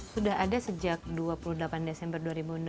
sudah ada sejak dua puluh delapan desember dua ribu enam belas